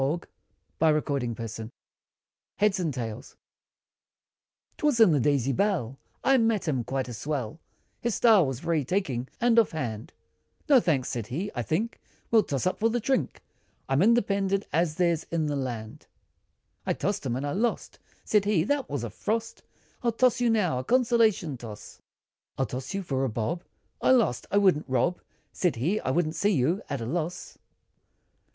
[Illustration: HEADS AND TAILS] TWAS in the Daisy Bell, I met him, quite a swell, His style, was very taking, and off hand, "No thanks!" said he "I think We'll toss up, for the drink, I'm independent, as there's in the land!" I tossed him, and I lost, Said he "That was a frost, I'll toss you now, a consolation toss, I'll toss you, for a bob" I lost! "I wouldn't rob" Said he "I wouldn't see you, at a loss.